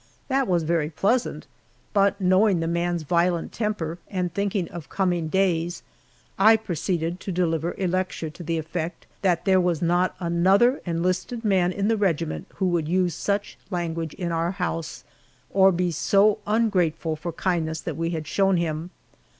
That was very pleasant, but knowing the man's violent temper, and thinking of coming days, I proceeded to deliver a lecture to the effect that there was not another enlisted man in the regiment who would use such language in our house, or be so ungrateful for kindness that we had shown him.